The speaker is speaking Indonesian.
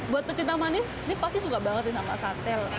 buat pecinta manis ini pasti suka banget sama sate